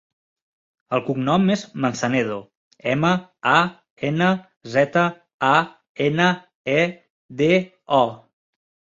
El cognom és Manzanedo: ema, a, ena, zeta, a, ena, e, de, o.